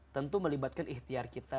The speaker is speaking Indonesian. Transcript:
tentu melibatkan ikhtiar kita